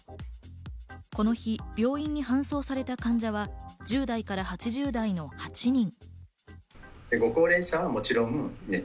この日、病院に搬送された患者は１０代から８０代の８人。